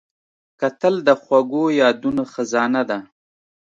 کتل د خوږو یادونو خزانه ده